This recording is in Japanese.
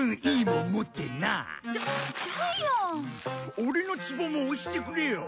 オレのツボも押してくれよ。